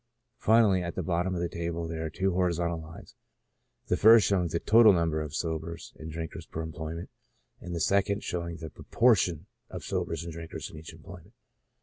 Finally, at the bottom of the table there are two horizontal lines, the first showing the total number of sobers and drinkers per employment, and the second the proportion of sobers and drinkers in each employment.